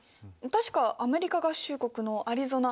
確かアメリカ合衆国のアリゾナ。